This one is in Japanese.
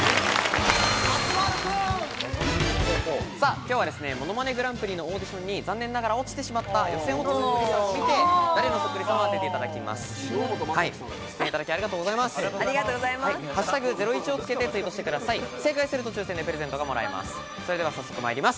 今日は『ものまねグランプリ』のオーディションに残念ながら落ちてしまった予選落ちそっくりさんを見て誰のそっくりさんかを当ててもらいます。